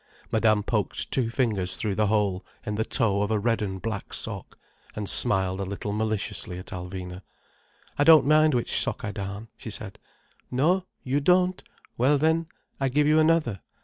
Madame poked two fingers through the hole in the toe of a red and black sock, and smiled a little maliciously at Alvina. "I don't mind which sock I darn," she said. "No? You don't? Well then, I give you another.